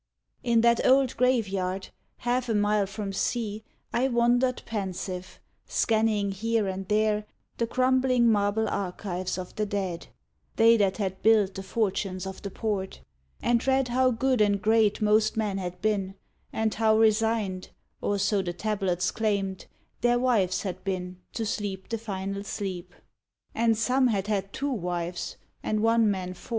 In that old graveyard, half a mile from sea, I wandered pensive, scanning here and there The crumbling, marble archives of the dead They that had built the fortunes of the port And read how good and great most men had been, And how resigned or so the tablets claimed Their wives had been to sleep the final sleep; And some had had two wives, and one man four.